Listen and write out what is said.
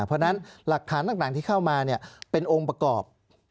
เพราะฉะนั้นหลักฐานต่างที่เข้ามาเป็นองค์ประกอบ